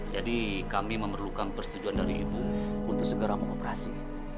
jadi kami memerlukan persetujuan dari ibu untuk segera mengoperasi